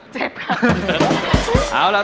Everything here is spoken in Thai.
เจ็บครับ